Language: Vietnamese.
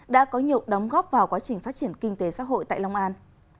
đã có nhiều đóng góp vào quá trình phát triển kinh tế xã hội tại long an